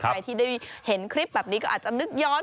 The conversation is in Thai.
ใครที่ได้เห็นคลิปแบบนี้ก็อาจจะนึกย้อน